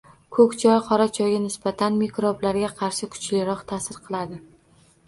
Ko‘k choy qora choyga nisbatan mikroblarga qarshi kuchliroq ta’sir qiladi.